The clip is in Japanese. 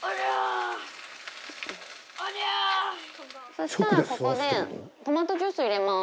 そしたらここでトマトジュースを入れます。